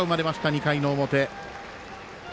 ２回の表。